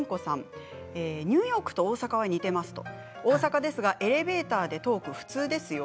ニューヨークと大阪は似ています大阪ですが、エレベーターでトーク普通ですよ。